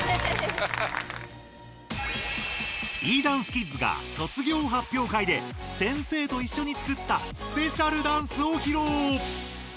Ｅダンスキッズが卒業発表会で先生といっしょにつくったスペシャルダンスを披露！